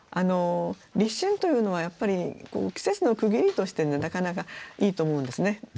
立春というのはやっぱり季節の区切りとしてなかなかいいと思うんですね。